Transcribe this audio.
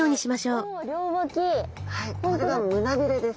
これが胸びれです。